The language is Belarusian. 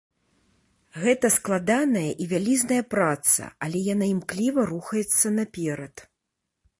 Гэта складаная і вялізная праца, але яна імкліва рухаецца наперад.